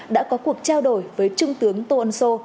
đã có cuộc trao đổi với trung tướng tô ân sô